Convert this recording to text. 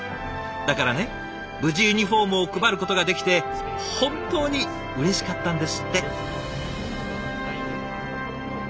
だからね無事ユニフォームを配ることができて本当にうれしかったんですって。